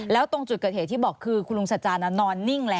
แล้วตรงจุดเกิดเหตุที่บอกคือคุณลุงสัจจานนอนนิ่งแล้ว